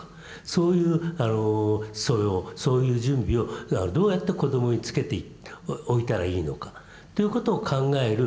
そういう素養そういう準備をどうやって子どもにつけておいたらいいのかということを考える